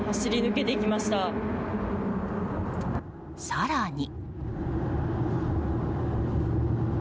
更に。